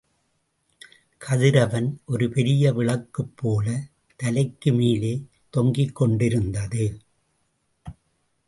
கதிரவன் ஒரு பெரிய விளக்குபோலத் தலைக்கு மேலே தொங்கிக் கொண்டிருந்தது.